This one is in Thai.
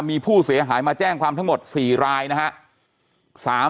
มีผู้เสียหายมาแจ้งความทั้งหมด๔รายนะครับ